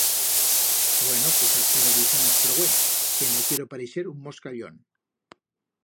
Bueno, pus aquí lo deixamos per hue, que no quiero pareixer un moscallón.